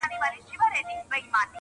ورته پام سو پر سړک د څو هلکانو -